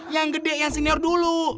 yang gede yang senior dulu